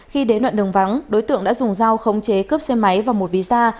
khi đến đoạn đường vắng đối tượng đã dùng dao không chế cướp xe máy vào một ví da